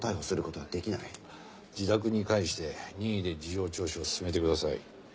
自宅に帰して任意で事情聴取を進めてください。